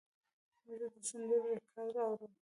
زه د سندرو ریکارډ اورم.